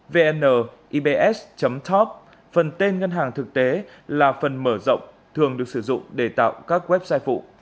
vn ibs top phần tên ngân hàng thực tế là phần mở rộng thường được sử dụng để tạo các website phụ